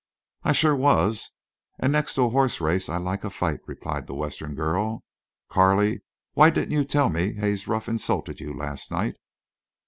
"I shore was, an' next to a horse race I like a fight," replied the Western girl. "Carley, why didn't you tell me Haze Ruff insulted you last night?"